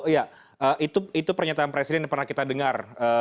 ya itu pernyataan presiden yang pernah kita dengar